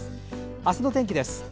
明日の天気です。